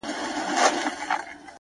نور مينه نه کومه دا ښامار اغزن را باسم؛